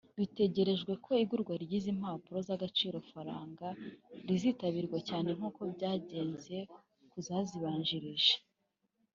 Bitegerejwe ko igurwa ry’izi mpapuro z’agaciro-faranga rizitabirwa cyane nk’uko byagenze ku zazibanjirije